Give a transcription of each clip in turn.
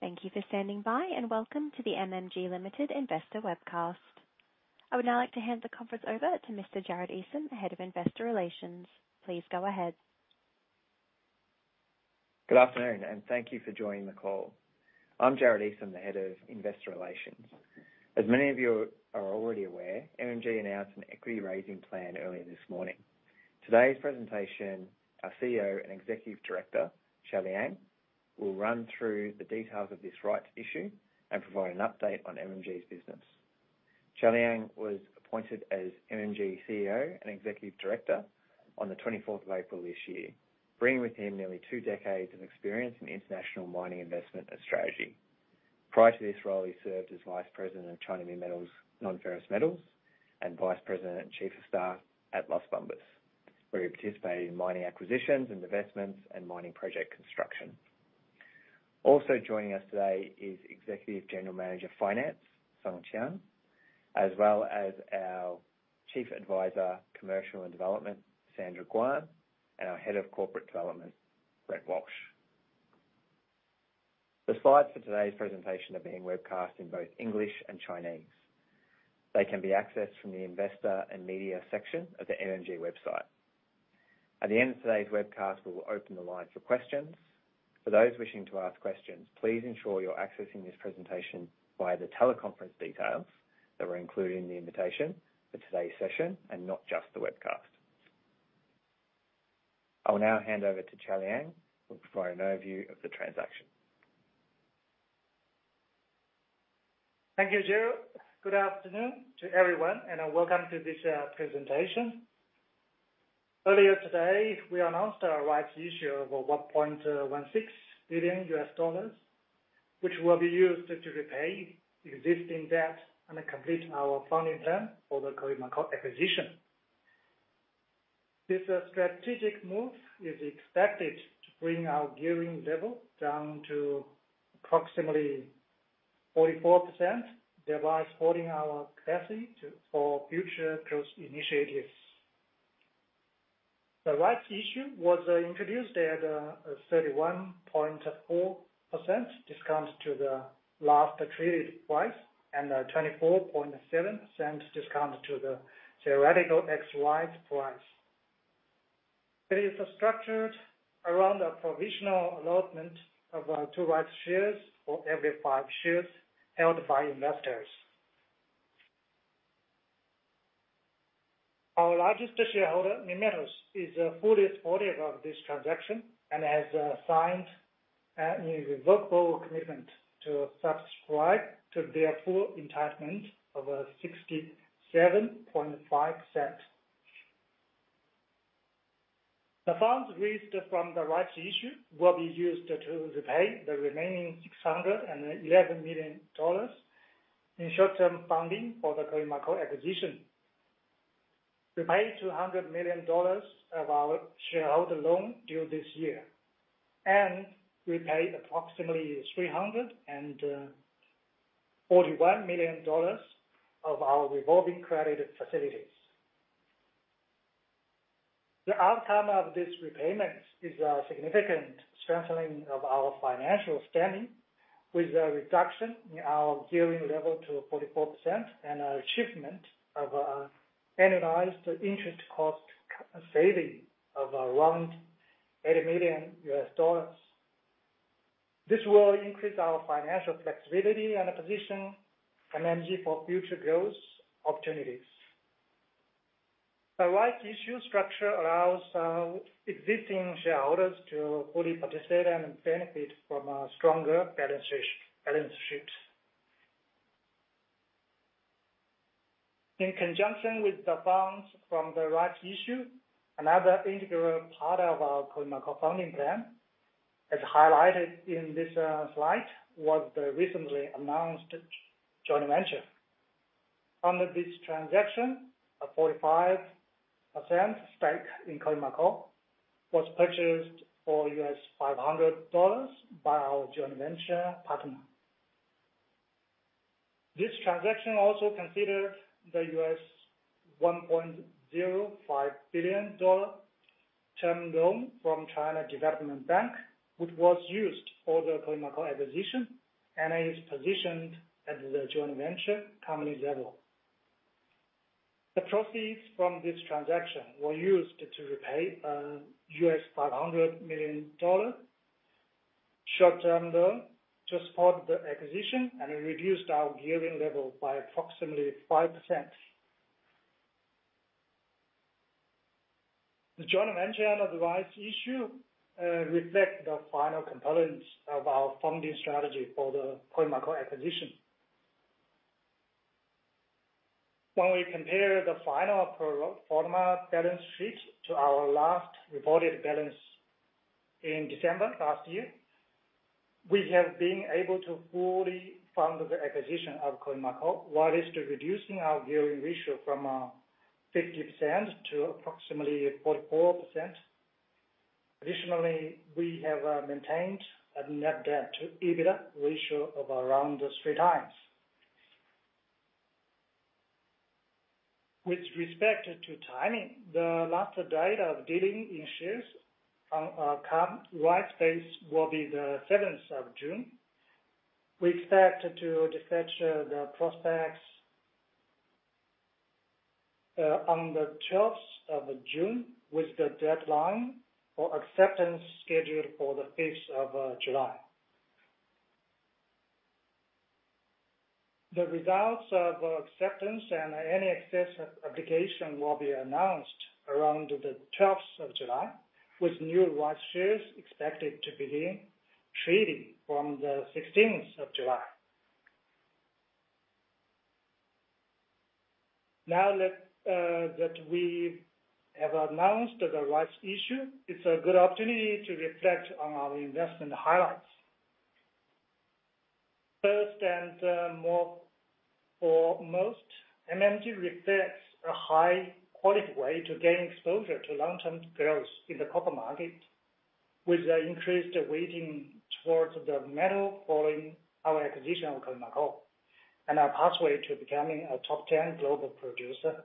Thank you for standing by, and welcome to the MMG Limited Investor Webcast. I would now like to hand the conference over to Mr. Jarod Esam, Head of Investor Relations. Please go ahead. Good afternoon, and thank you for joining the call. I'm Jarod Esam, the Head of Investor Relations. As many of you are already aware, MMG announced an equity raising plan earlier this morning. Today's presentation, our CEO and Executive Director, Cao Liang, will run through the details of this rights issue and provide an update on MMG's business. Cao Liang was appointed as MMG CEO and Executive Director on the 24th of April this year, bringing with him nearly two decades of experience in international mining, investment, and strategy. Prior to this role, he served as Vice President of China Minmetals Non-Ferrous Metals and Vice President and Chief of Staff at Las Bambas, where he participated in mining acquisitions and investments and mining project construction. Also joining us today is Executive General Manager of Finance, Song Qian, as well as our Chief Advisor, Commercial and Development, Sandra Guan, and our Head of Corporate Development, Brett Walsh. The slides for today's presentation are being webcast in both English and Chinese. They can be accessed from the Investor and Media section of the MMG website. At the end of today's webcast, we will open the line for questions. For those wishing to ask questions, please ensure you're accessing this presentation via the teleconference details that were included in the invitation for today's session, and not just the webcast. I will now hand over to Cao Liang, who will provide an overview of the transaction. Thank you, Jarod. Good afternoon to everyone, and welcome to this presentation. Earlier today, we announced our rights issue of $1.16 billion, which will be used to repay existing debt and complete our funding term for the Khoemacau acquisition. This strategic move is expected to bring our gearing level down to approximately 44%, thereby supporting our capacity for future growth initiatives. The rights issue was introduced at a 31.4% discount to the last traded price and $0.247 discount to the theoretical ex-rights price. It is structured around a provisional allotment of two rights shares for every five shares held by investors. Our largest shareholder, Minmetals, is fully supportive of this transaction and has signed an irrevocable commitment to subscribe to their full entitlement of 67.5%. The funds raised from the rights issue will be used to repay the remaining $611 million in short-term funding for the Khoemacau acquisition, repay $200 million of our shareholder loan due this year, and repay approximately $341 million of our revolving credit facilities. The outcome of this repayment is a significant strengthening of our financial standing, with a reduction in our gearing level to 44% and an achievement of annualized interest cost saving of around $80 million. This will increase our financial flexibility and position MMG for future growth opportunities. The rights issue structure allows existing shareholders to fully participate and benefit from a stronger balance sheet, balance sheet. In conjunction with the funds from the rights issue, another integral part of our Khoemacau funding plan, as highlighted in this slide, was the recently announced joint venture. Under this transaction, a 45% stake in Khoemacau was purchased for $500 million by our joint venture partner. This transaction also considered the $1.05 billion term loan from China Development Bank, which was used for the Khoemacau acquisition and is positioned at the joint venture company level. The proceeds from this transaction were used to repay $500 million short-term loan to support the acquisition, and it reduced our gearing level by approximately 5%. The joint venture and the rights issue reflect the final components of our funding strategy for the Khoemacau acquisition. When we compare the final pro forma balance sheet to our last reported balance in December last year, we have been able to fully fund the acquisition of Khoemacau, while reducing our gearing ratio from 50% to approximately 44%. Additionally, we have maintained a net debt to EBITDA ratio of around three times. With respect to timing, the last date of dealing in shares on cum rights basis will be the 7th of June. We expect to dispatch the prospectus on the 12th of June, with the deadline for acceptance scheduled for the 5th of July. The results of acceptance and any excess application will be announced around the 12th of July, with new rights shares expected to begin trading from the 16th of July. Now that we have announced the rights issue, it's a good opportunity to reflect on our investment highlights. First and foremost, MMG reflects a high quality way to gain exposure to long-term growth in the copper market, with an increased weighting towards the metal, following our acquisition of Khoemacau, and our pathway to becoming a top 10 global producer.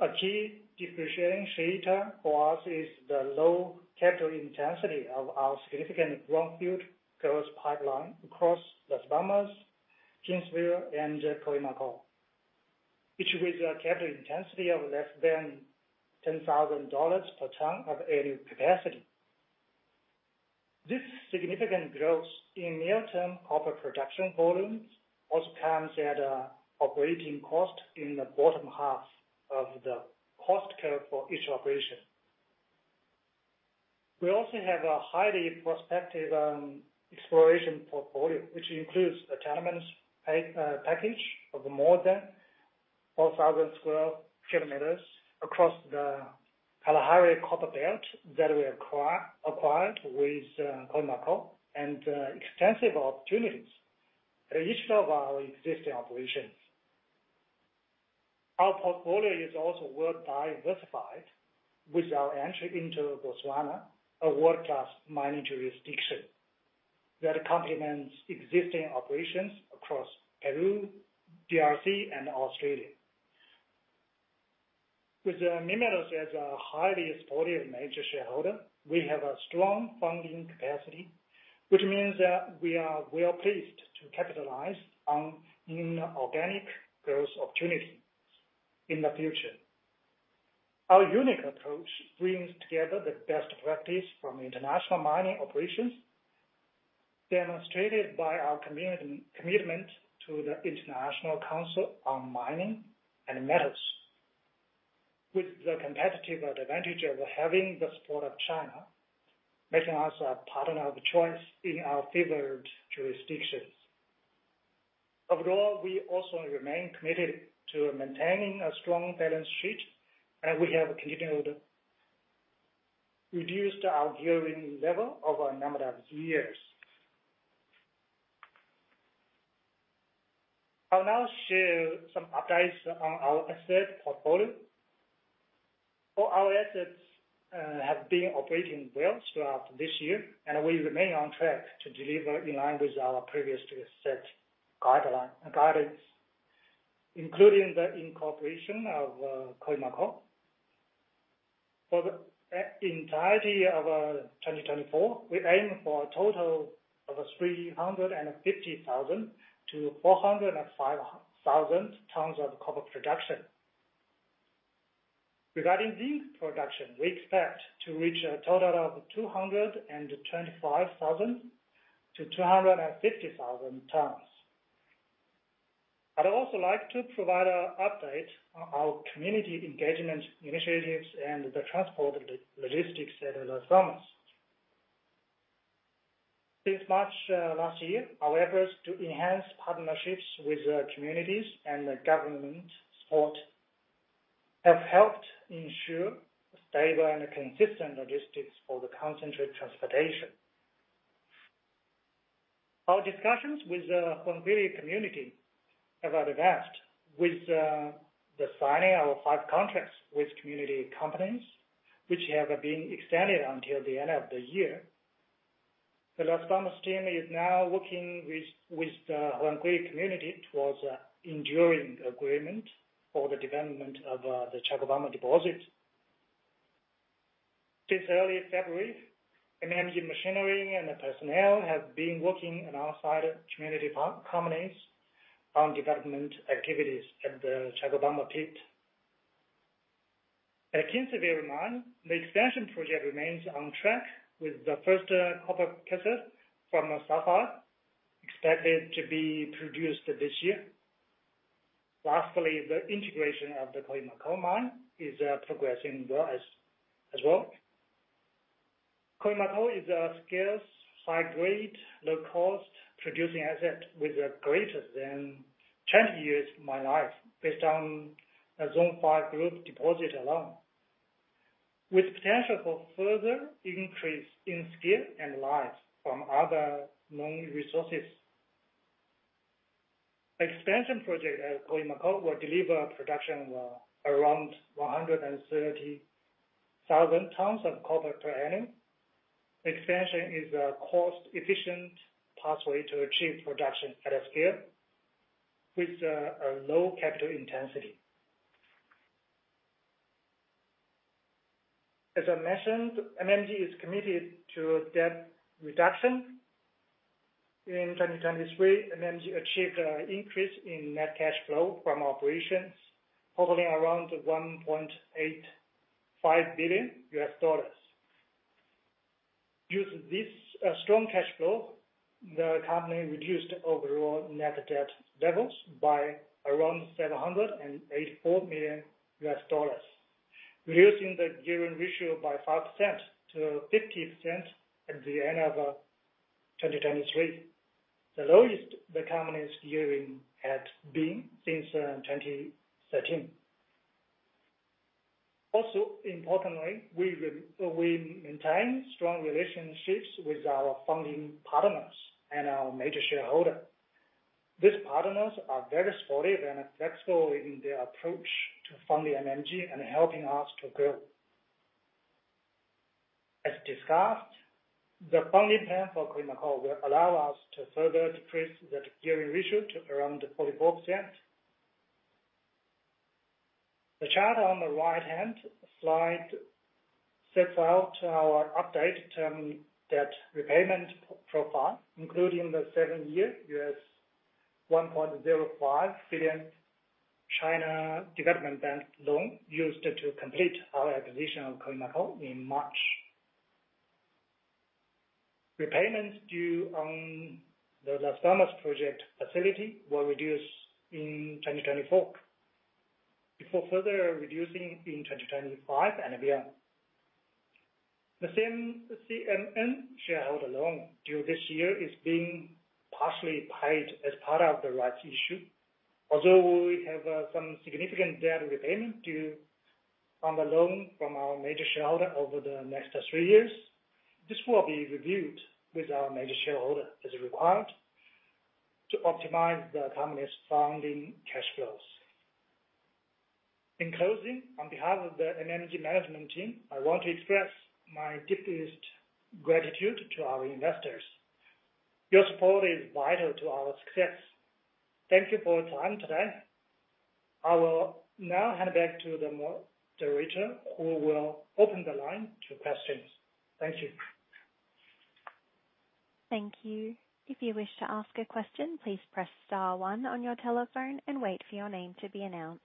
A key differentiating factor for us is the low capital intensity of our significant greenfield growth pipeline across Las Bambas, Kinsevere, and Khoemacau, each with a capital intensity of less than $10,000 per ton of annual capacity. This significant growth in near-term copper production volumes also comes at an operating cost in the bottom half of the cost curve for each operation. We also have a highly prospective exploration portfolio, which includes a tenements package of more than 4,000 sq km across the Kalahari Copper Belt that we acquired with Khoemacau, and extensive opportunities at each of our existing operations. Our portfolio is also well diversified with our entry into Botswana, a world-class mining jurisdiction, that complements existing operations across Peru, DRC, and Australia. With Minmetals as a highly supportive major shareholder, we have a strong funding capacity, which means that we are well-placed to capitalize on any organic growth opportunities in the future. Our unique approach brings together the best practice from international mining operations, demonstrated by our commitment to the International Council on Mining and Metals, with the competitive advantage of having the support of China, making us a partner of choice in our favored jurisdictions. Overall, we also remain committed to maintaining a strong balance sheet, and we have continued to reduced our gearing level over a number of years. I'll now share some updates on our asset portfolio. All our assets have been operating well throughout this year, and we remain on track to deliver in line with our previously set guidance, including the incorporation of Khoemacau. For the entirety of 2024, we aim for a total of 350,000-405,000 tons of copper production. Regarding zinc production, we expect to reach a total of 225,000-250,000 tons. I'd also like to provide an update on our community engagement initiatives and the transport logistics at Las Bambas. Since March last year, our efforts to enhance partnerships with the communities and the government support have helped ensure stable and consistent logistics for the concentrate transportation. Our discussions with the Huancuire community have advanced with the signing of five contracts with community companies, which have been extended until the end of the year. The Las Bambas team is now working with the Huancuire community towards an enduring agreement for the development of the Chalcobamba deposit. Since early February, MMG machinery and the personnel have been working alongside community companies on development activities at the Chalcobamba pit. At Kinsevere Mine, the expansion project remains on track, with the first copper cathode from Sapphire expected to be produced this year. Lastly, the integration of the Khoemacau Mine is progressing well as well. Khoemacau is a scarce, high-grade, low-cost producing asset with a greater than 20 years mine life, based on a Zone 5 deposit alone, with potential for further increase in scale and life from other known resources. Expansion project at Khoemacau will deliver production around 130,000 tons of copper per annum. Expansion is a cost efficient pathway to achieve production at a scale with a low capital intensity. As I mentioned, MMG is committed to debt reduction. In 2023, MMG achieved an increase in net cash flow from operations, totaling around $1.85 billion. Using this strong cash flow, the company reduced overall net debt levels by around $784 million, reducing the gearing ratio by 5% to 50% at the end of 2023, the lowest the company's gearing had been since 2013. Also, importantly, we maintain strong relationships with our funding partners and our major shareholder. These partners are very supportive and flexible in their approach to funding MMG and helping us to grow. As discussed, the funding plan for Khoemacau will allow us to further decrease the gearing ratio to around 44%. The chart on the right-hand slide sets out our updated term debt repayment profile, including the seven-year $1.05 billion China Development Bank loan, used to complete our acquisition of Khoemacau in March. Repayments due on the Las Bambas project facility will reduce in 2024, before further reducing in 2025 and beyond. The same CMM shareholder loan due this year is being partially paid as part of the rights issue. Although we have some significant debt repayment due on the loan from our major shareholder over the next three years, this will be reviewed with our major shareholder as required to optimize the company's funding cash flows. In closing, on behalf of the MMG management team, I want to express my deepest gratitude to our investors. Your support is vital to our success. Thank you for your time today. I will now hand back to the operator, who will open the line to questions. Thank you. Thank you. If you wish to ask a question, please press star one on your telephone and wait for your name to be announced.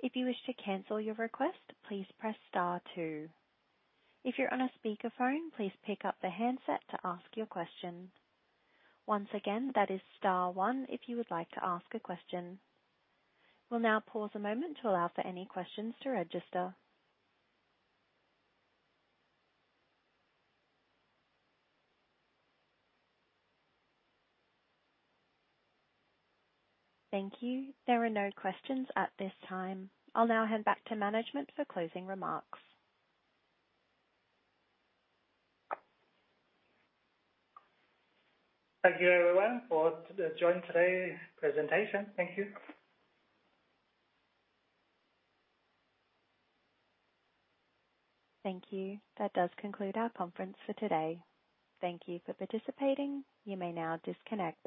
If you wish to cancel your request, please press star two. If you're on a speakerphone, please pick up the handset to ask your question. Once again, that is star one if you would like to ask a question. We'll now pause a moment to allow for any questions to register. Thank you. There are no questions at this time. I'll now hand back to management for closing remarks. Thank you, everyone, for joining today's presentation. Thank you. Thank you. That does conclude our conference for today. Thank you for participating. You may now disconnect.